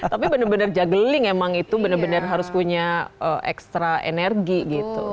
tapi benar benar juggling emang itu benar benar harus punya ekstra energi gitu